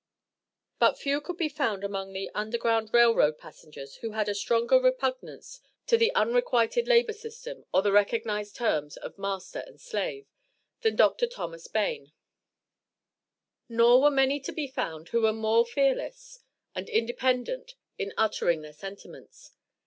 But few could be found among the Underground Rail Road passengers who had a stronger repugnance to the unrequited labor system, or the recognized terms of "master and slave," than Dr. Thomas Bayne. Nor were many to be found who were more fearless and independent in uttering their sentiments.